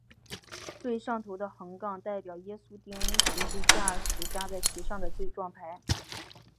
最上头的横杠代表耶稣钉十字架时加在其上的罪状牌。